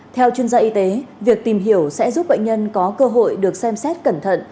theo chuyên gia y tế việc tìm hiểu sẽ giúp bệnh nhân có cơ hội được xem xét cẩn thận